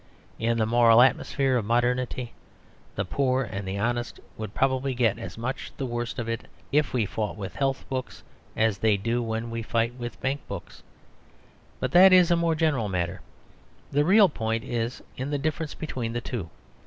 In the moral atmosphere of modernity the poor and the honest would probably get as much the worst of it if we fought with health books as they do when we fight with bank books. But that is a more general matter; the real point is in the difference between the two.